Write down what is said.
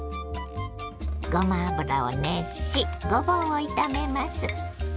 ごま油を熱しごぼうを炒めます。